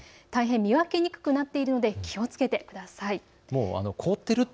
大変見分けにくくなっているので気をつけてください。